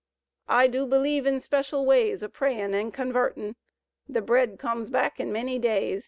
I du believe in special ways O' prayin' an' convartin'; . The bread comes back in many days.